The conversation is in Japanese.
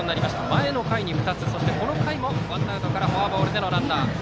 前の回に２つこの回もワンアウトからフォアボールでのランナー。